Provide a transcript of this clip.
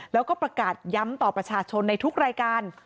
แล้วก็ประกาศย้ำต่อประชาชนในทุกรายการ